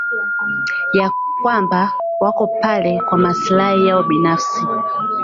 na kwamba wako pale kwa masilahi yao binafsi